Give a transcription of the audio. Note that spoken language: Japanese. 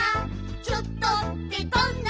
「ちょっとってどんな？」